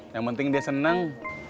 yang penting dia senang